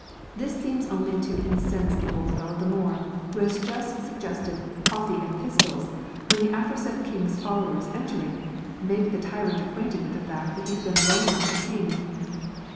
This seems only to incense the old fellow the more, who has just suggested "coffee and pistols," when the aforesaid king's followers entering, make the tyrant acquainted with the fact that he's been blowing up a king.